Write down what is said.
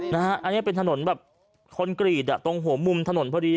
อันนี้เป็นถนนแบบคอนกรีตตรงหัวมุมถนนพอดี